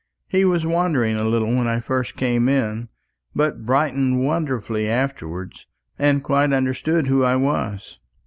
He was wandering a little when I first came in, but brightened wonderfully afterwards, and quite understood who I was."